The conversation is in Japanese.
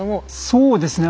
そうですね。